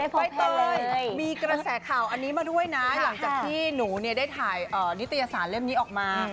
ใบเตยเลยมีกระแสข่าวอันนี้มาด้วยนะหลังจากที่หนูได้ถ่ายนิตยสารเล่มนี้ออกมา